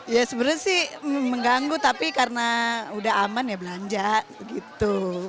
ya sebenarnya sih mengganggu tapi karena udah aman ya belanja gitu